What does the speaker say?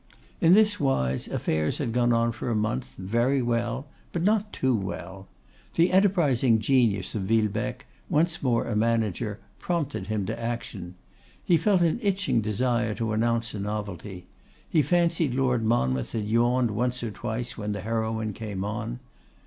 In this wise, affairs had gone on for a month; very well, but not too well. The enterprising genius of Villebecque, once more a manager, prompted him to action. He felt an itching desire to announce a novelty. He fancied Lord Monmouth had yawned once or twice when the heroine came on.